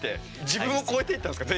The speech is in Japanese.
自分を超えていったんですか？